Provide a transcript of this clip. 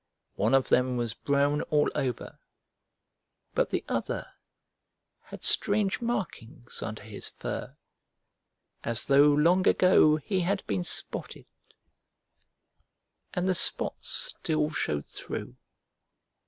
One of them was brown all over, but the other had strange markings under his fur, as though long ago he had been spotted, and the spots still showed through.